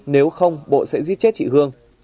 nếu không bộ sẽ giết chết chị hương